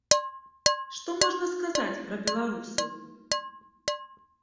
Што можна сказаць пра беларусаў?